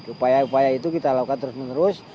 upaya upaya itu kita lakukan terus menerus